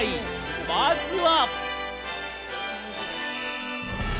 まずは。